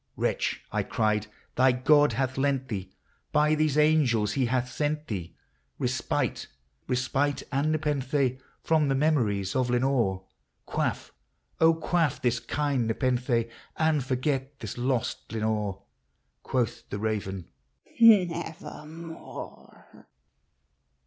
" Wretch," I cried, " thy God hath lent thee,— by these angels he hath sent thee Respite, — respite and nepenthe from the memories of Lenore ! Quaff, O, quaff this kind nepenthe, and forget this lost Lenore !" Quoth the raven, " Nevermore